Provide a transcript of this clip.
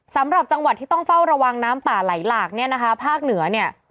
สำหรับจังหวัดที่ต้องเฝ้าระวังน้ำป่าไหลหลากเนี่ยนะคะภาคเหนือเนี่ย